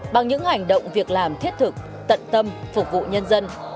bằng những hành động việc làm thiết thực tận tâm phục vụ nhân dân